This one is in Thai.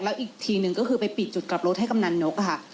แล้วอีกทีหนึ่งก็คือไปปิดจุดกลับรถให้กำนันนกค่ะ